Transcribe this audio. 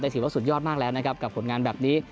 ถือว่าสุดยอดมากแล้วนะครับกับผลงานแบบนี้